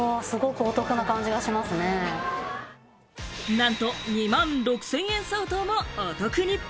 何と２万６０００円相当もお得に。